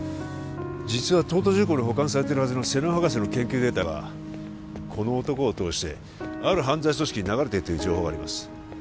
実は東都重工に保管されてるはずの瀬能博士の研究データがこの男を通してある犯罪組織に流れてるという情報があります